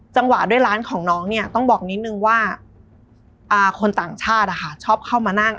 จังหวะด้วยร้านของน้องเนี่ยต้องบอกนิดนึงว่าคนต่างชาติชอบเข้ามานั่ง